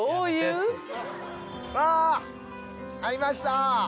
あぁありました。